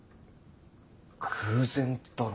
偶然だろ。